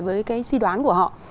với suy đoán của họ